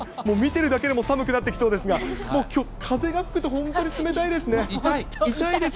もう見てるだけでも寒くなってきそうですが、もうきょう、風が吹くと本当に冷痛い。